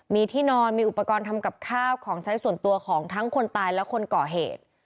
มีที่นอนมีอุปกรณ์ทำกับข้าวของใช้ส่วนตัวของทั้งคนตายและคนก่อเหตุ